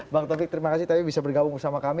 bang taufik terima kasih tapi bisa bergabung bersama kami